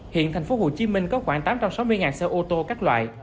hiện thành phố hồ chí minh có khoảng tám trăm sáu mươi xe ô tô các loại